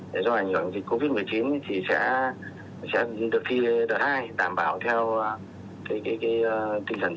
do ảnh hưởng dịch covid một mươi chín